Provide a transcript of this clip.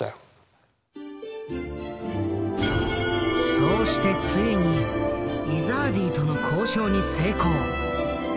そうしてついにイザーディとの交渉に成功。